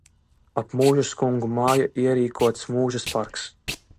Ap muižas kungu māju ierīkots muižas parks.